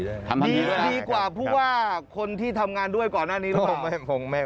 ดีกว่าผู้ว่าคนที่ทำงานด้วยก่อนหน้านี้หรือเปล่า